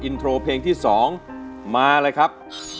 อินโทรเพลงที่๒มาเลยครับ